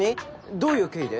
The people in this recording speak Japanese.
どういう経緯で？